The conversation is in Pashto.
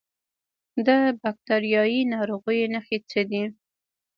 د باکتریایي ناروغیو نښې څه دي؟